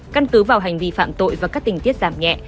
căn cứ vào hành vi phạm tội và các tình tiết giảm nhẹ